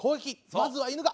まずは犬が！